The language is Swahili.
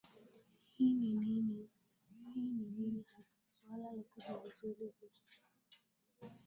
hii ni nini hasa suala la kujiuzulu hili